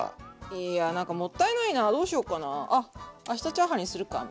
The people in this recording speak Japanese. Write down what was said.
いや何かもったいないなどうしようかなあっ明日チャーハンにするかみたいな。